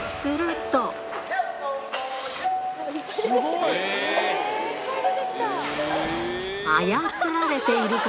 いっぱい出て来た！